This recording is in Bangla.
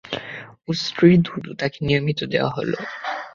উষ্ট্রীর দুধও তাকে নিয়মিত দেয়া হল।